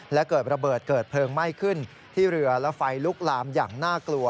และเกิดระเบิดเกิดเพลิงไหม้ขึ้นที่เรือและไฟลุกลามอย่างน่ากลัว